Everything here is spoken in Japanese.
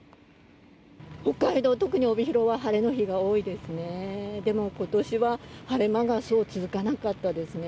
北海道、特に帯広は晴れの日が多いですね。